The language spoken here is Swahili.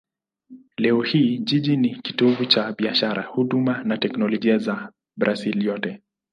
Leo hii jiji ni kitovu cha biashara, huduma na teknolojia cha Brazil yote.